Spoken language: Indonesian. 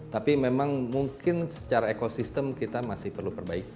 tapi memang mungkin secara ekosistem kita masih perlu perbaiki